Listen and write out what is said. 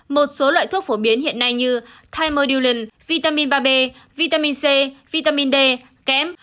một số loại thuốc phổ biến hiện nay như thymodulin vitamin ba b vitamin c vitamin d kém